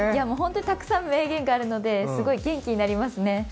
たくさん名言があるのですごい元気になりますね。